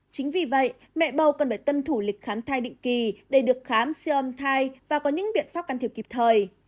chính vì vậy mẹ bầu cần phải tuân thủ lịch khám thai định kỳ để được khám siêu âm thai và có những biện pháp can thiệp kịp thời